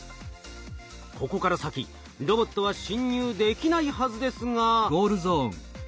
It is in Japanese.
ここから先ロボットは侵入できないはずですが。